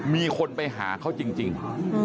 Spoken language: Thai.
มีคนไปหาเขาจริง